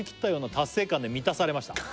「達成感で満たされました」